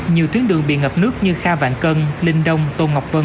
nhiều tuyến đường bị ngập nước như kha vạn cân linh đông tôn ngọc vân